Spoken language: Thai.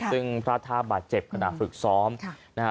ซึ่งพลาดท่าบาดเจ็บขณะฝึกซ้อมนะฮะ